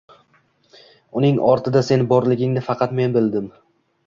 Uning ortida sen borligingni faqat men bildim.